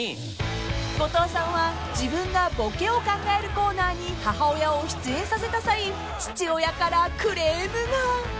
［後藤さんは自分がボケを考えるコーナーに母親を出演させた際父親からクレームが］